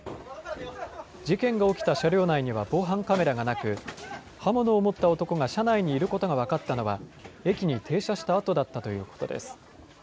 事件が起きた車両内には防犯カメラがなく刃物を持った男が車内にいることが分かったのは駅に停車したあとだったということです。